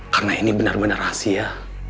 karena ini benar benar rahasia